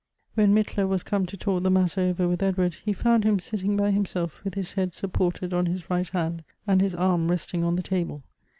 WHEN Mittler was come to talk the matter over with Edward, he found him sitting by himself, with his head supported on his right hand, and his arm resting on the table.